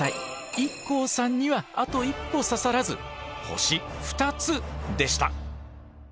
ＩＫＫＯさんにはあと一歩刺さらず星２つでした。